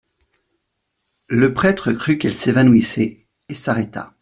Le prêtre crut qu'elle s'évanouissait, et s'arrêta.